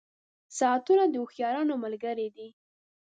• ساعتونه د هوښیارانو ملګري دي.